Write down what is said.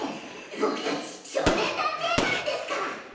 僕達少年探偵団ですから！